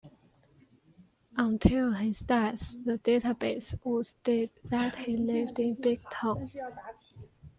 Until his death, the database would state that he lived in Bigtown.